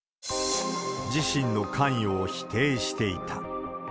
自身の関与を否定していた。